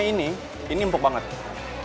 sapi ini sangat lembut